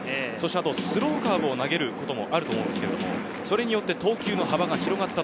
あと、スローカーブを投げることもあると思うんですけど、それによって投球の幅が広がった。